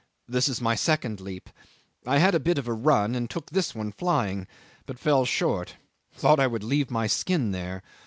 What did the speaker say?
"This is my second leap. I had a bit of a run and took this one flying, but fell short. Thought I would leave my skin there.